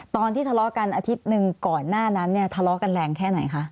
ตอนที่ทะเลาะกันอาทิตย์หนึ่งก่อนหน้านั้นเนี่ยทะเลาะกันแรงแค่ไหนคะ